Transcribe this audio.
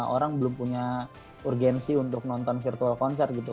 orang belum punya urgensi untuk nonton virtual concert gitu